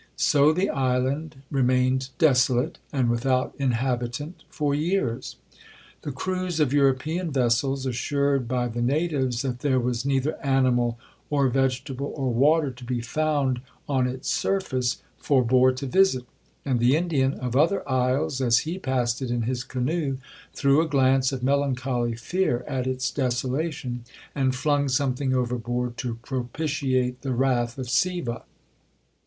So the island remained desolate, and without inhabitant for years. 'The crews of European vessels, assured by the natives that there was neither animal, or vegetable, or water, to be found on its surface, forbore to visit; and the Indian of other isles, as he passed it in his canoe, threw a glance of melancholy fear at its desolation, and flung something overboard to propitiate the wrath of Seeva.